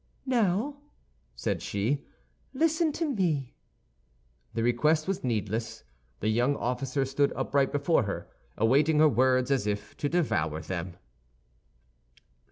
"Now," said she, "listen to me." The request was needless. The young officer stood upright before her, awaiting her words as if to devour them.